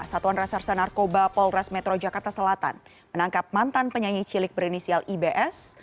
satuan reserse narkoba polres metro jakarta selatan menangkap mantan penyanyi cilik berinisial ibs